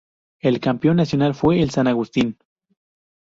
El campeón nacional fue el San Agustín.